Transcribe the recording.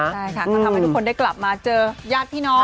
ใช่ค่ะก็ทำให้ทุกคนได้กลับมาเจอญาติพี่น้อง